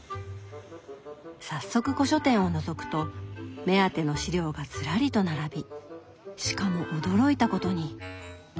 早速古書店をのぞくと目当ての資料がずらりと並びしかも驚いたことに。